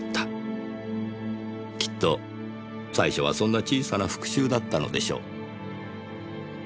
きっと最初はそんな小さな復讐だったのでしょう。